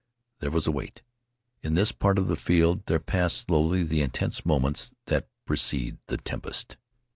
There was a wait. In this part of the field there passed slowly the intense moments that precede the tempest.